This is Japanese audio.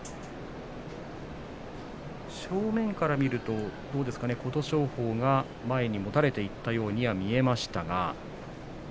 正面から見ると、どうでしょうか琴勝峰が前にもたれていったようには見えました。